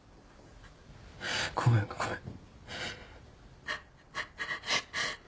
ごめんごめん。